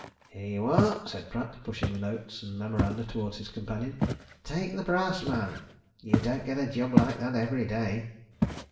"Here you are!" said Pratt, pushing notes and memoranda towards his companion. "Take the brass, man! you don't get a job like that every day."